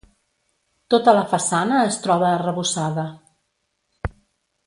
Tota la façana es troba arrebossada.